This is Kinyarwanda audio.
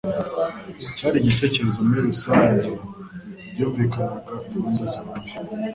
cyari gitegerejwe muri rusange, ryumvikanaga impande zose.